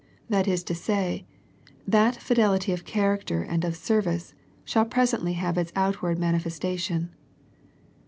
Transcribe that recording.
That is to say, that fidelity of charac ter and of service shall presently have its out ward manifestation.